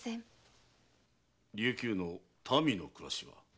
琉球の民の暮らしは？